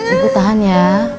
ibu tahan ya